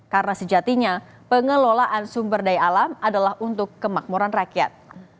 karena sejatinya pengelolaan sumber daya alam adalah untuk kemakmuran rakyat